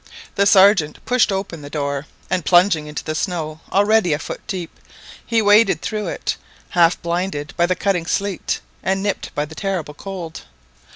The Sergeant pushed open the door, and plunging into the snow, already a foot deep; he waded through it, although half blinded by the cutting sleet, and nipped by the terrible cold.